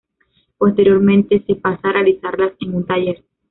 Posteriormente se pasa a realizarlas en un taller.